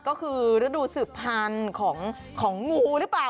ก็คือฤดูสืบพันธุ์ของงูหรือเปล่า